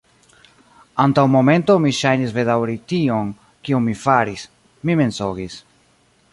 Antaŭ momento, mi ŝajnis bedaŭri tion, kion mi faris: mi mensogis.